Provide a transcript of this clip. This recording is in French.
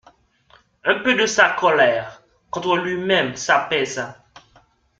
Un peu de sa colère contre lui-même s'apaisa.